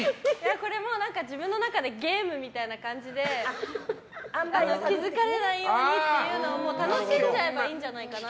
これ、自分の中でゲームみたいな感じで気づかれないようにというのを楽しんじゃえばいいんじゃないかなと。